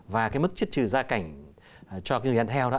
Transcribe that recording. và cái mức chất trừ gia cảnh cho người đàn theo